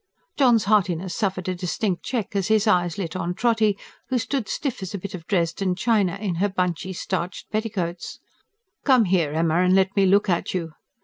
John's heartiness suffered a distinct check as his eyes lit on Trotty, who stood stiff as a bit of Dresden china in her bunchy starched petticoats. "Come here, Emma, and let me look at you."